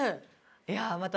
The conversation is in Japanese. いやあまた